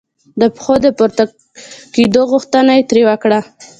د پښې د پورته کېدو غوښتنه یې ترې وکړه.